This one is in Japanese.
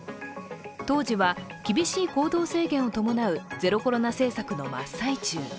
当時は厳しい行動制限を伴うゼロコロナ政策の真っ最中。